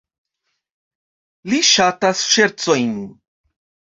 Li ŝatas ŝercojn.